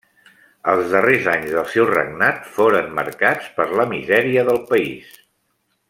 Els darrers anys del seu regnat foren marcats per la misèria del país.